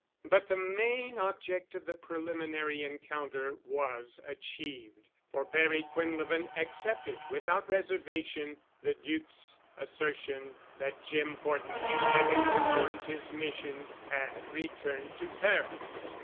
But the main object of the preliminary encounter was achieved, for Barry Quinlevin accepted without reservation the Duc's assertion that Jim Horton, having performed his mission, had returned to Paris.